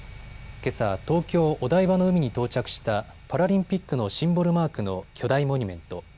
けさ、東京お台場の海に到着したパラリンピックのシンボルマークの巨大モニュメント。